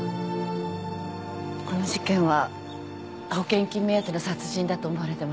この事件は保険金目当ての殺人だと思われてました。